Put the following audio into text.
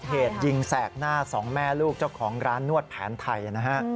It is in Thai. เหตุยิงแสกหน้าสองแม่ลูกเจ้าของร้านนวดแผนไทยนะฮะ